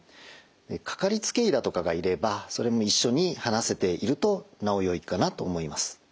かかりつけ医だとかがいればそれも一緒に話せているとなおよいかなと思います。